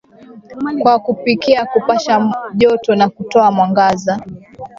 kwa kupikia kupasha joto na kutoa mwangaza